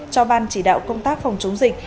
cho ban chỉ đạo công tác phòng chống dịch